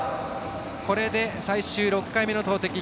これで最終６回目の投てき。